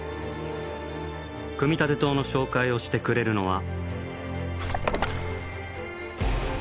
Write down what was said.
組立棟の紹介をしてくれるのは。